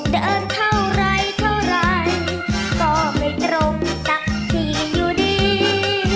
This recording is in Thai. เดินเท่าไหร่เพราะไม่ตรงตะที่อยู่ดี